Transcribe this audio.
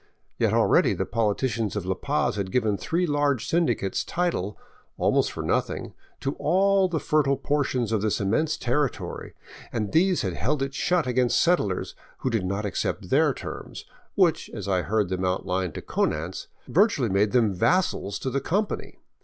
Yet already the politicians of La Paz had given three large syndicates title, almost for nothing, to all the fertile portions of this immense territory, and these held it shut against settlers who did not accept their terms, which, as I heard them outlined to Konanz, vir tually made them vassals to the companies.